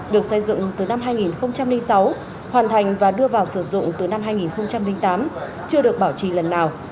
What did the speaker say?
được xây dựng từ năm hai nghìn sáu hoàn thành và đưa vào sử dụng từ năm hai nghìn tám chưa được bảo trì lần nào